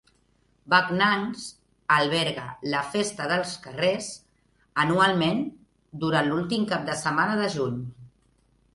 Backnang's alberga la "Festa dels Carrers" anualment durant l'últim cap de setmana de juny.